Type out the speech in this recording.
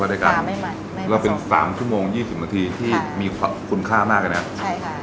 ค่ะไม่มีผสมแล้วเป็นสามชั่วโมงยี่สิบนาทีค่ะที่มีความคุณค่ามากเลยนะใช่ค่ะ